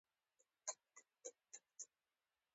احمد يې له ځانه لرې کړ.